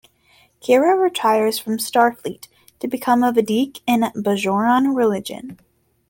Kira retires from Starfleet to become a vedek in Bajoran religion.